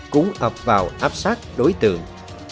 cũng ập vào áp sát đối tượng